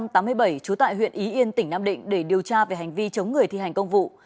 trú tại huyện ý yên tỉnh nam định để điều tra về hành vi chống người thi hành công vụ